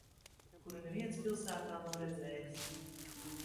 Kuru neviens pilsētā nav redzējis.